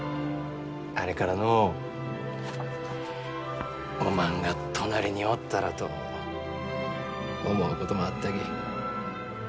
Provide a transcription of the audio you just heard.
あれからのうおまんが隣におったらと思うこともあったき。